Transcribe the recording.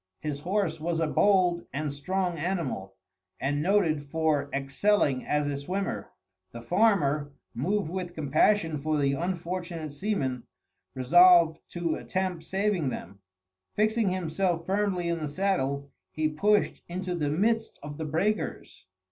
His horse was a bold and strong animal, and noted for excelling as a swimmer. The farmer, moved with compassion for the unfortunate seamen, resolved to attempt saving them. Fixing himself firmly in the saddle, he pushed into the midst of the breakers.